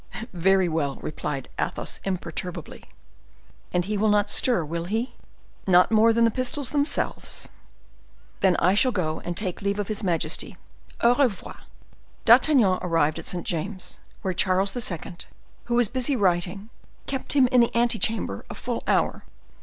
"Very well!" replied Athos, imperturbably. "And he will not stir, will he?" "Not more than the pistols themselves." "Then I shall go and take leave of his majesty. Au revoir!" D'Artagnan arrived at St. James's, where Charles II., who was busy writing, kept him in the ante chamber a full hour.